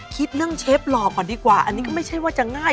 คิดเรื่องเชฟหล่อก่อนดีกว่าอันนี้ก็ไม่ใช่ว่าจะง่าย